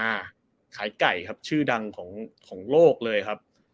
อ่าขายไก่ครับชื่อดังของของโลกเลยครับ